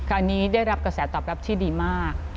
อันนี้ได้รับกระแสตอบรับที่ดีมาก